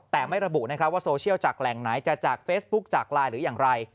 แต่ไม่ระบุนะครับว่าโซเชียลจากแหล่งไหนจะจากเฟซบุ๊คจากไลน์หรืออย่างไร